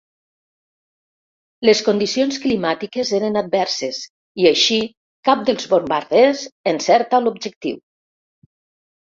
Les condicions climàtiques eren adverses i així cap dels bombarders encerta l'objectiu.